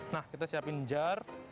nah kita siapin jar